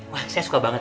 wah saya suka banget